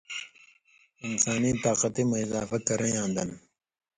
انسانی طاقتی مہ اضافہ کرِیں یاں دن